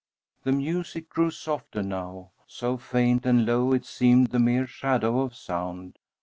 The music grew softer now, so faint and low it seemed the mere shadow of sound.